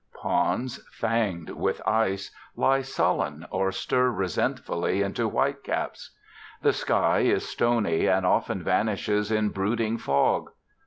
Ponds, fanged with ice, lie sullen or stir resentfully into whitecaps. The sky is stony and often vanishes in brooding fog.